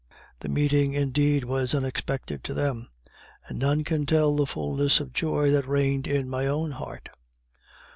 The meeting indeed was unexpected to them, and none can tell the fullness of joy that reigned in my own heart.